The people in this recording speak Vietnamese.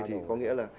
thì có nghĩa là